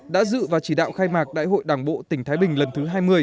đã dự và chỉ đạo khai mạc đại hội đảng bộ tỉnh thái bình lần thứ hai mươi